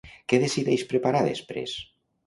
Què decideix preparar després?